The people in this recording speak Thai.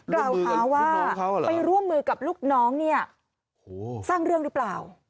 กล่าวหาว่าไปร่วมมือกับลูกน้องเนี่ยสร้างเรื่องหรือเปล่า